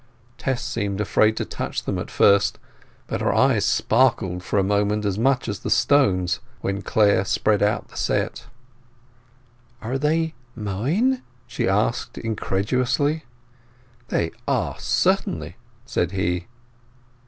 Tess seemed afraid to touch them at first, but her eyes sparkled for a moment as much as the stones when Clare spread out the set. "Are they mine?" she asked incredulously. "They are, certainly," said he.